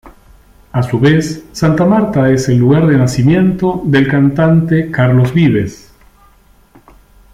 A su vez, Santa Marta es el lugar de nacimiento del cantante Carlos Vives.